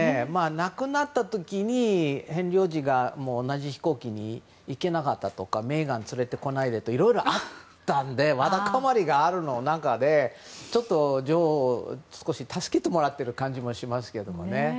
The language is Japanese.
亡くなった時にヘンリー王子が同じ飛行機で行けなかったとかメーガンを連れてこないでとかいろいろあったのでわだかまりがある中で女王に少し助けてもらってる感じもしますけどね。